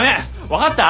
分かった？